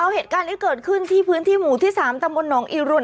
เหตุการณ์นี้เกิดขึ้นที่พื้นที่หมู่ที่๓ตำบลหนองอีรุน